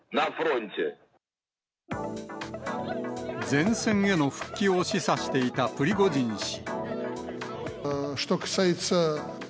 前線への復帰を示唆していたプリゴジン氏。